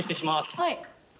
はい。